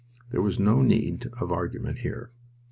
There was no need of argument here.